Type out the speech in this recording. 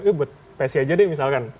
ya buat psi aja deh misalkan